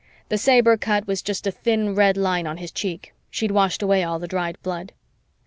The saber cut was just a thin red line on his cheek; she'd washed away all the dried blood.